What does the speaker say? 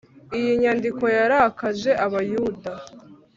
” iyi nyandiko yarakaje abayuda